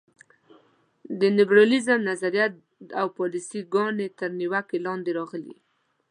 د نیولیبرالیزم نظریه او پالیسي ګانې تر نیوکو لاندې راغلي.